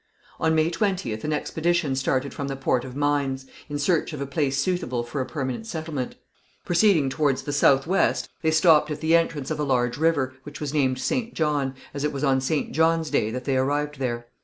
On May 20th an expedition started from the Port of Mines, in search of a place suitable for a permanent settlement. Proceeding towards the south west they stopped at the entrance of a large river, which was named St. John, as it was on St. John's day that they arrived there.